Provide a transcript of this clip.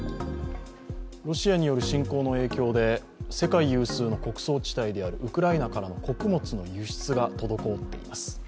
ロシアによる侵攻の影響で世界有数の穀倉地帯であるウクライナからの穀物の輸出が滞っています。